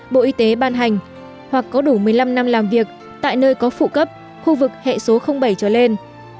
bộ y tế ban hành hoặc có đủ một mươi năm năm làm việc tại nơi có phụ cấp khu vực hệ số bảy trở lên